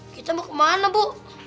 kita mau kemana bu